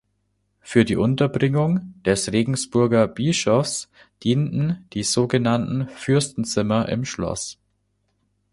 Für die Unterbringung des Regensburger Bischofs dienten die sogenannten Fürstenzimmer im Schloss.